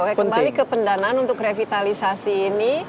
oke kembali ke pendanaan untuk revitalisasi ini